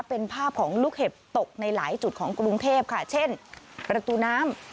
เป็นภาพของลูกเห็บตกในหลายจุดของกรุงเทพค่ะเช่นประตูน้ำ